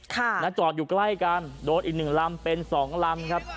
นะจอดอยู่ใกล้กันโดนอีกหนึ่งลำเป็นสองลำครับ